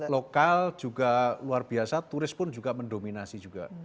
lokal juga luar biasa turis pun juga mendominasi juga